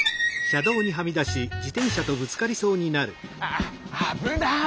あっあぶない！